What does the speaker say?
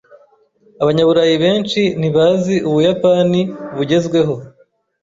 Abanyaburayi benshi ntibazi Ubuyapani bugezweho.